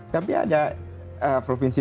tapi ada provinsi